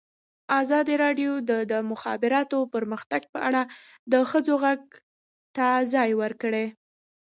ازادي راډیو د د مخابراتو پرمختګ په اړه د ښځو غږ ته ځای ورکړی.